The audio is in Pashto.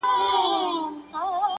وارخطا سو ویل څه غواړې په غره کي-